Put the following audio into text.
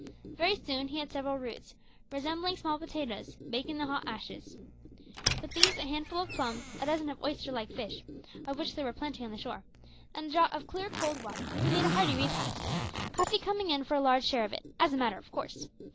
Very soon he had several roots, resembling small potatoes, baking in the hot ashes. With these, a handful of plums, a dozen of oyster like fish, of which there were plenty on the shore, and a draught of clear cold water, he made a hearty repast, Cuffy coming in for a large share of it, as a matter of course.